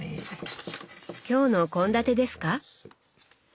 今日の献立ですか？